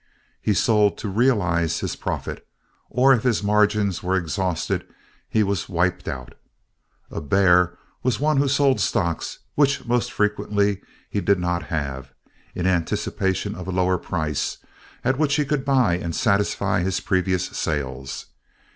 He sold to "realize" his profit, or if his margins were exhausted he was "wiped out." A "bear" was one who sold stocks which most frequently he did not have, in anticipation of a lower price, at which he could buy and satisfy his previous sales.